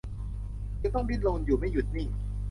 จึงต้องดิ้นรนอยู่ไม่หยุดนิ่ง